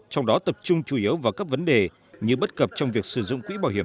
trong đó tập trung chủ yếu vào các vấn đề như bất cập trong việc sử dụng quỹ bảo hiểm